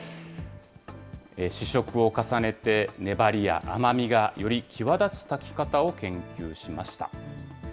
試食を重ねて、粘りや甘みがより際立つ炊き方を研究しました。